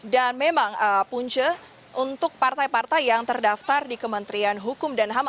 dan memang punci untuk partai partai yang terdaftar di kementerian hukum dan ham